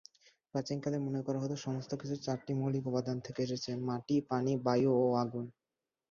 প্রাচীনকালে মনে করা হতো সমস্ত কিছু চারটি মৌলিক উপাদান থেকে এসেছে; মাটি, পানি, বায়ু ও আগুন।